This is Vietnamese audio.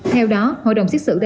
theo đó hội đồng xét xử đề nghị